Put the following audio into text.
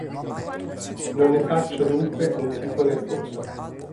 Non ne faccio dunque un tipo nervoso.